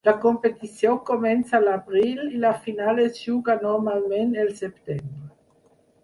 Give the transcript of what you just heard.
La competició comença l'abril, i la final es juga normalment el setembre.